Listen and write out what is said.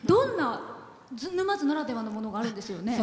沼津ならではのものがあるんですよね。